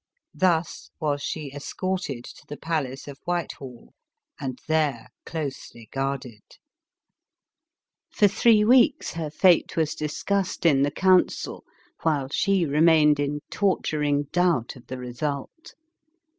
Thus was she escorted to the palace of Whitehall, and there closely guarded. ELIZABETH OF ENGLAND. 289 For three weeks her fate was discussed in the coun cil, while she remained in torturing doubt of the result.